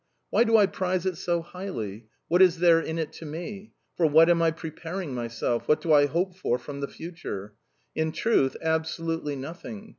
Why do I prize it so highly? What is there in it to me? For what am I preparing myself? What do I hope for from the future?... In truth, absolutely nothing.